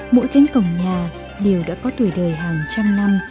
mỗi cánh cổng nhà đều đã có tuổi đời hàng trăm năm